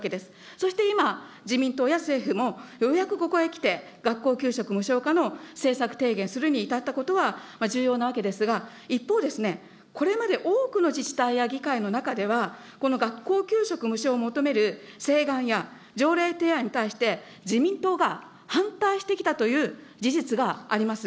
そして今、自民党や政府もようやくここへきて、学校給食無償化の政策提言するにいたったことは重要なわけですが、一方で、これまで多くの自治体や議会の中では、この学校給食無償を求める請願や条例提案に対して、自民党が反対してきたという事実があります。